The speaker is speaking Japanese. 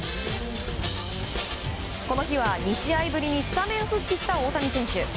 この日は２試合ぶりにスタメン復帰した大谷選手。